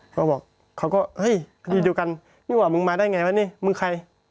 เขาบอกเขาก็เฮ้ยคดีเดียวกันนี่ว่ามึงมาได้ไงวะนี่มึงใคร